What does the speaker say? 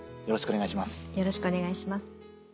よろしくお願いします。